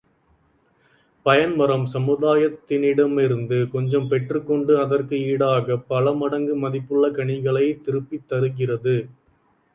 பயன் மரம், சமுதாயத்தினிடமிருந்து கொஞ்சம் பெற்றுக் கொண்டு அதற்கு ஈடாகப் பல மடங்கு மதிப்புள்ள கனிகளைத் திருப்பித் தருகிறது.